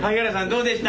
どうでした？